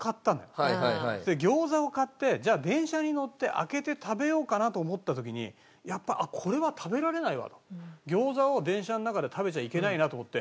餃子を買ってじゃあ電車に乗って開けて食べようかなと思った時にやっぱ餃子を電車の中で食べちゃいけないなと思って。